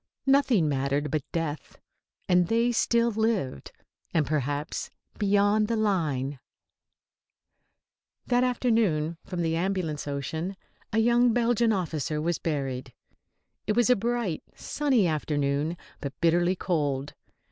Nothing mattered but death, and they still lived. And perhaps, beyond the line That afternoon, from the Ambulance Ocean, a young Belgian officer was buried. It was a bright, sunny afternoon, but bitterly cold.